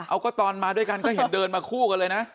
เอาก็ตอนมาด้วยกันก็เห็นเดินมาคู่กันเลยนะ